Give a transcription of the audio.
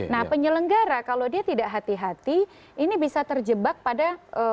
nah penyelenggara kalau dia tidak hati hati ini bisa terjebak pada